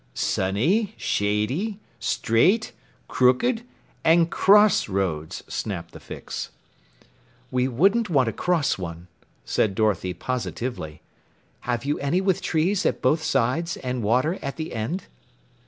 "Sunny, shady, straight, crooked, and cross roads," snapped the Fix. "We wouldn't want a cross one," said Dorothy positively. "Have you any with trees at both sides and water at the end?"